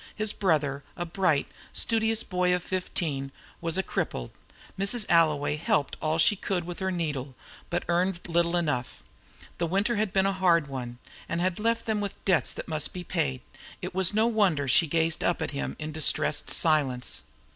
His brother, a bright, studious boy of fifteen, was a cripple. Mrs. Alloway helped all she could with her needle, but earned little enough. The winter had been a hard one, and had left them with debts that must be paid. It was no wonder she gazed up at him in distressed silence.